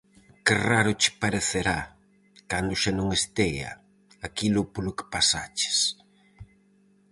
Que raro che parecerá, cando xa non estea, aquilo polo que pasaches.